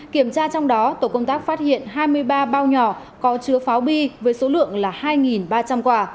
kiểm tra trong đó tổ công tác phát hiện hai mươi ba bao nhỏ có chứa pháo bi với số lượng là hai ba trăm linh quả